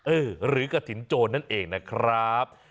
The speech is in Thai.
หรือกระถิ่นโจรนั่นเองนะครับ